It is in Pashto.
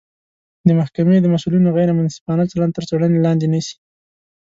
د محکمې د مسوولینو غیر منصفانه چلند تر څیړنې لاندې نیسي